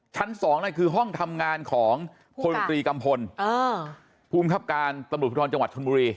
ชั้น๒นั่นคือห้องทำงานของพลตรีกัมพลภูมิครับการตำรวจภูทรจังหวัดชนบุรี